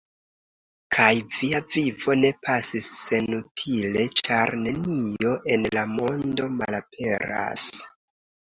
Kaj via vivo ne pasis senutile, ĉar nenio en la mondo malaperas.